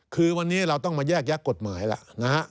คือวันนี้เราต้องมาแยกยักษ์กฎหมายล่ะ